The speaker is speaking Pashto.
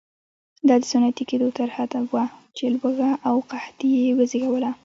دا د صنعتي کېدو طرحه وه چې لوږه او قحطي یې وزېږوله.